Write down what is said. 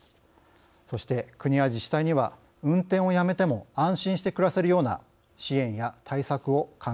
そして国や自治体には運転をやめても安心して暮らせるような支援や対策を考えていってもらいたいと思います。